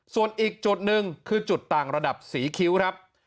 ส่วนอีกจุดหนึ่งคือจุดต่างระดับสีคิ้วครับ